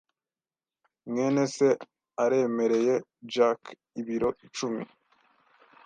mwene se aremereye Jack ibiro icumi.